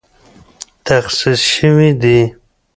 تخصیص شوې دي